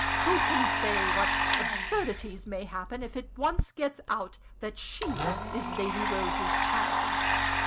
Who can say what absurdities may happen if it once gets out that she is Lady Rose's child?